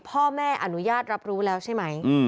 พ่อแม่อนุญาตรับรู้แล้วใช่ไหม